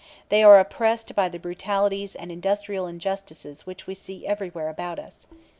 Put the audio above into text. They are oppressed by the brutalities and industrial injustices which we see everywhere about us.